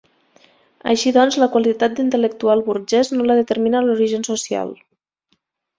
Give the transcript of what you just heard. Així doncs, la qualitat d'intel·lectual burgès no la determina l'origen social.